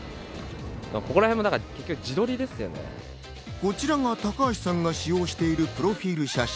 こちらが高橋さんが使用しているプロフィル写真。